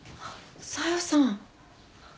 小夜さん。